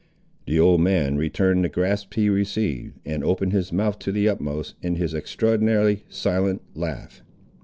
The old man returned the grasp he received, and opened his mouth to the utmost, in his extraordinary, silent, laugh.